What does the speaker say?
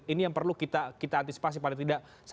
ini yang perlu kita antisipasi paling tidak